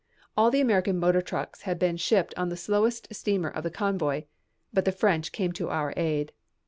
All the American motor trucks had been shipped on the slowest steamer of the convoy but the French came to our aid.